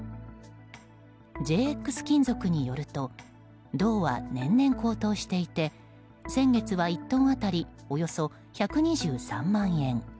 ＪＸ金属によると銅は年々高騰していて先月は、１トン当たりおよそ１２３万円。